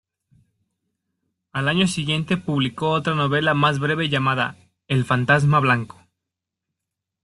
Al año siguiente publicó otra novela más breve llamada "El fantasma blanco".